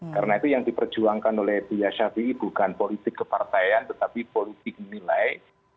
karena itu yang diperjuangkan oleh buya syafi bukan politik kepartaian tetapi politik nilai